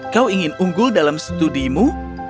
kau ingin unggul dalam studimu